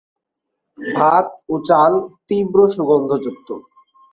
ভাত ও চাল তীব্র সুগন্ধযুক্ত।